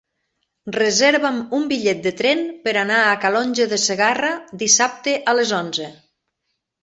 Reserva'm un bitllet de tren per anar a Calonge de Segarra dissabte a les onze.